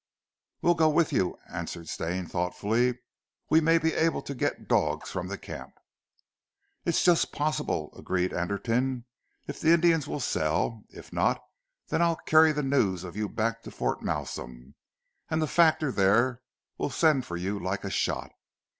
"We'll go with you," answered Stane thoughtfully, "we may be able to get dogs from the camp." "It's just possible," agreed Anderton, "if the Indians will sell. If not, then I'll carry the news of you back to Fort Malsun, and the factor there will send for you like a shot."